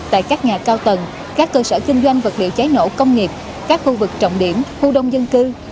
tại các nhà cao tầng các cơ sở kinh doanh vật liệu cháy nổ công nghiệp các khu vực trọng điểm khu đông dân cư